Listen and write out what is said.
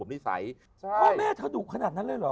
พ่อแม่เค้าถูกขนาดนั้นเลยหรอ